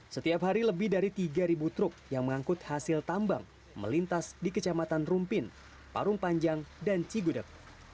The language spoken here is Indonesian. setiap hari lebih dari tiga truk yang mengangkut hasil tambang melintas di kecamatan rumpin parung panjang dan cigudeg